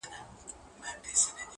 کومه ورځ به پر دې قوم باندي رڼا سي،